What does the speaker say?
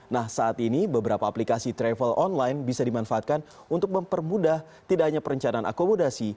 nah saat ini beberapa aplikasi travel online bisa dimanfaatkan untuk mempermudah tidak hanya perencanaan akomodasi